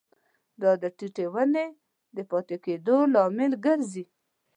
دا د ټیټې ونې د پاتې کیدو لامل ګرځي.